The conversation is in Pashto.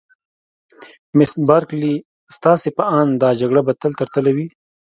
مس بارکلي: ستاسي په اند دا جګړه به تل تر تله وي؟